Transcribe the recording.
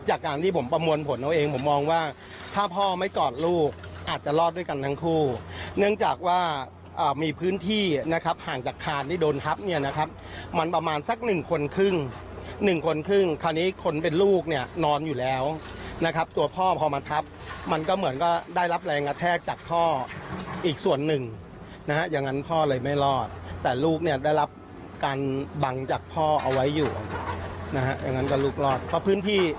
จากการที่ผมประมวลผลเอาเองผมมองว่าถ้าพ่อไม่กอดลูกอาจจะรอดด้วยกันทั้งคู่เนื่องจากว่ามีพื้นที่นะครับห่างจากคานที่โดนทับเนี่ยนะครับมันประมาณสักหนึ่งคนครึ่งหนึ่งคนครึ่งคราวนี้คนเป็นลูกเนี่ยนอนอยู่แล้วนะครับตัวพ่อพอมาทับมันก็เหมือนก็ได้รับแรงกระแทกจากพ่ออีกส่วนหนึ่งนะฮะอย่างงั้นพ่อเลยไม